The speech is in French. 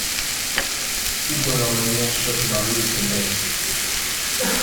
Tout dans leurs manières choque Mary et son père.